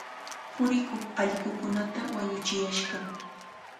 Purikuq allqukunata wañuchiyashqa.